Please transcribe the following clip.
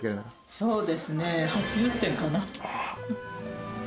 そうですね、８０点かな。